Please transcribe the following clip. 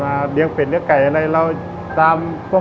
มาเลี้ยงเป็นเนื้อไก่อะไรตามบ้านนอกเรา